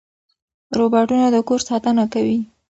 روباټونه د کور ساتنه کوي.